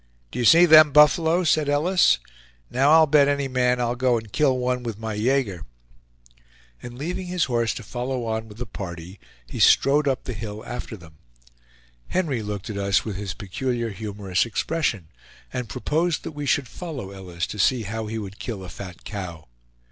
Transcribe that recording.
"Do you see them buffalo?" said Ellis, "now I'll bet any man I'll go and kill one with my yager." And leaving his horse to follow on with the party, he strode up the hill after them. Henry looked at us with his peculiar humorous expression, and proposed that we should follow Ellis to see how he would kill a fat cow.